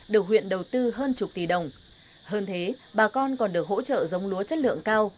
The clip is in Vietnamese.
được huyện đầu tư hơn chục tỷ đồng hơn thế bà con còn được hỗ trợ giống lúa chất lượng cao